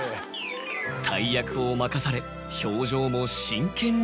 大役を任され表情も真剣に。